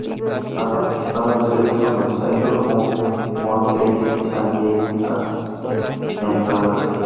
Ha participado en series como Sailor Moon, One Piece y Saint Seiya, entre otras.